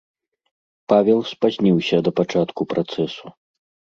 Павел спазніўся да пачатку працэсу.